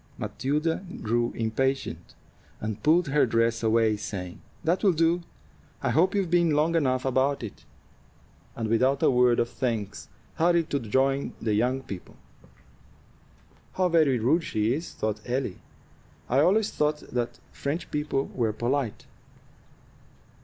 Matilda grew impatient, and pulled her dress away, saying, "That will do; I hope you've been long enough about it," and without a word of thanks hurried to join the young people. "How very rude she is!" thought Ellie. "I always thought that French people were polite."